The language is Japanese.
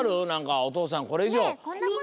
なんかお父さんこれいじょう。